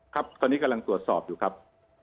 ครับตอนนี้กำลังตรวจสอบอยู่ครับ